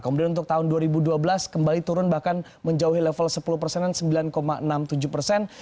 kemudian untuk tahun dua ribu dua belas kembali turun bahkan menjauhi level sepuluh persenan sembilan enam puluh tujuh persen